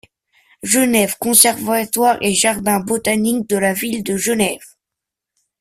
Geneve: Conservatoire et Jardin botaniques de la Ville de Geneve.